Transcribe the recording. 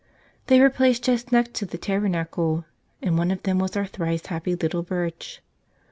They were placed just next to the tabernacle. And one of them was our thrice happy little Birch!